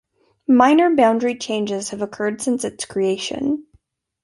Minor boundary changes have occurred since its creation.